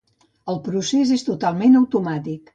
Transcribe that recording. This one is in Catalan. El procés és totalment automàtic.